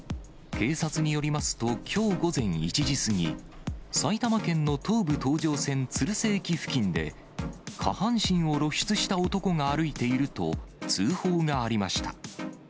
警察によりますと、きょう午前１時過ぎ、埼玉県の東武東上線鶴瀬駅付近で、下半身を露出した男が歩いていると、通報がありました。